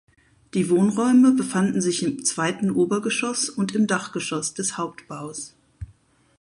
Die Wohnräume befanden sich im zweiten Obergeschoss und im Dachgeschoss des Hauptbaus.